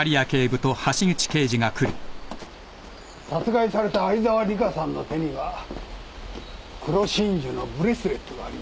殺害された相沢里香さんの手には黒真珠のブレスレットがありました。